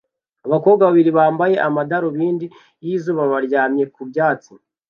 Abakobwa babiri bambaye amadarubindi y'izuba baryamye ku byatsi